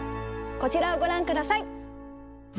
こちらをご覧ください。